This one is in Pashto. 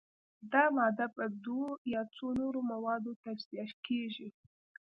دا ماده په دوو یا څو نورو موادو تجزیه کیږي.